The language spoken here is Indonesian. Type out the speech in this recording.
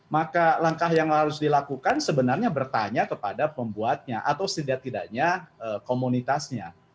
maka langkah yang harus dilakukan sebenarnya bertanya kepada pembuatnya atau setidak tidaknya komunitasnya